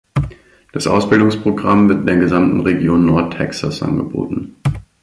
Das Ausbildungsprogramm wird in der gesamte Region Nordtexas angeboten.